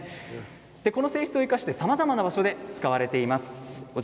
この性質を生かしさまざまな場所で使われています。